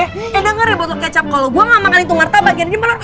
eh denger ya botol kecap kalo gue gak makan itu martabak gini gini malah